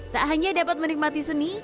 tak hanya dapat menikmati seni